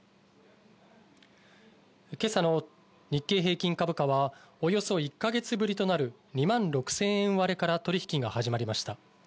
今朝の日経平均株価はおよそ１か月ぶりとなる２万６０００円割れから取引が始まりました。